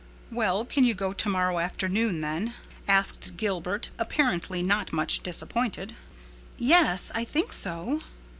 "Well, can you go tomorrow afternoon, then?" asked Gilbert, apparently not much disappointed. "Yes, I think so."